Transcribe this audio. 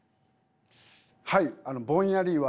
はいぼんやりは。